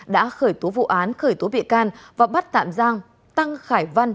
đã khởi tố vụ án khởi tố bị can và bắt tạm giam tăng khải văn